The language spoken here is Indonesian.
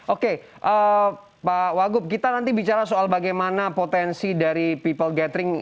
oke pak wagub kita nanti bicara soal bagaimana potensi dari people gathering